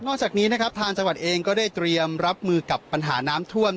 จากนี้นะครับทางจังหวัดเองก็ได้เตรียมรับมือกับปัญหาน้ำท่วม